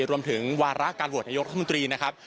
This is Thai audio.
รวมถึงวาระการหัวไหว้ไหนยกรรธมุตรีนะครับ